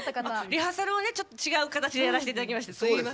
リハーサルを違う形でやらせていただきました。